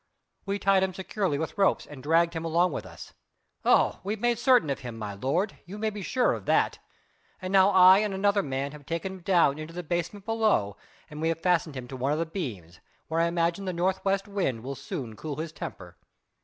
"We tied him securely with ropes and dragged him along with us. Oh! we made certain of him, my lord, you may be sure of that. And now I and another man have taken him down into the basement below and we have fastened him to one of the beams, where I imagine the north west wind will soon cool his temper."